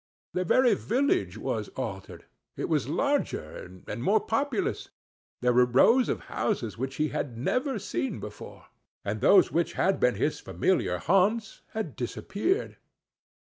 The very village was altered; it was larger and more populous. There were rows of houses which he had never seen before, and those which had been his familiar haunts had disappeared.